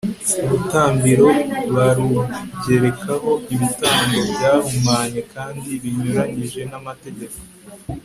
urutambiro barugerekaho ibitambo byahumanye kandi binyuranyije n'amategeko